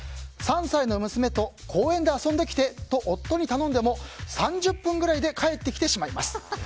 ３歳の娘と公園で遊んできて！と夫に頼んでも３０分ぐらいで帰ってきてしまいます。